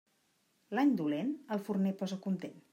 L'any dolent, al forner posa content.